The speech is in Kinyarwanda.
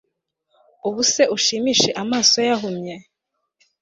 Ubuse ushimishe amaso ye ahumye